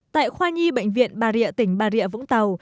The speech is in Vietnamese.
tại khoa nhi bệnh viện bà rịa tỉnh bà rịa vũng tàu